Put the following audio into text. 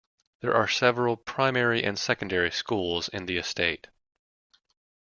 There are several primary and secondary schools in the estate.